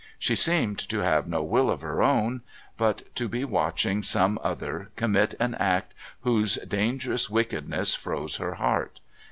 She seemed to have no will of her own, but to be watching some other commit an act whose dangerous wickedness froze her heart.